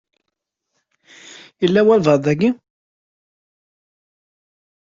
Yella walebɛaḍ daki?